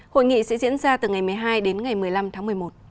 hội nghị sẽ diễn ra từ ngày một mươi hai đến ngày một mươi năm tháng một mươi một